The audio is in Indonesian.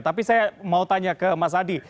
tapi saya mau tanya ke mas adi